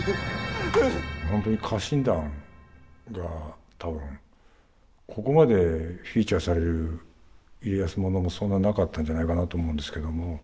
本当に家臣団が多分ここまでフィーチャーされる家康物もそんななかったんじゃないかなと思うんですけども。